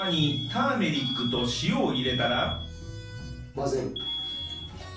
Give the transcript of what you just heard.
混ぜる。